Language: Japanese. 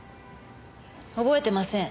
覚えてません。